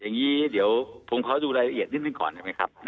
อย่างนี้เดี๋ยวผมขอดูรายละเอียดนิดหนึ่งก่อนได้ไหมครับ